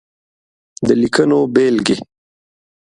د ليکنو بېلګې :